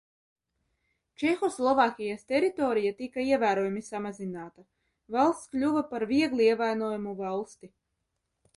Čehoslovākijas teritorija tika ievērojami samazināta: valsts kļuva par viegli ievainojamu valsti.